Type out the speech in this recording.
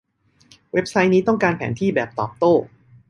เว็บไซต์นี้ต้องการแผนที่แบบตอบโต้